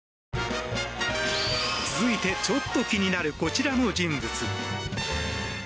続いてちょっと気になるこちらの人物。